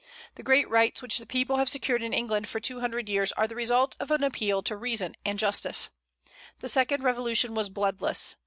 The great rights which the people have secured in England for two hundred years are the result of an appeal to reason and justice. The second revolution was bloodless.